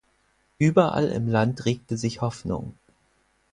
Überall im Land regte sich Hoffnung.